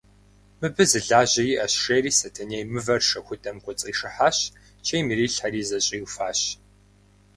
Мыбы зы лажьэ иӏэщ, – жери Сэтэней мывэр шэхудэм кӏуэцӏишыхьащ, чейм ирилъхьэри зэщӏиуфащ.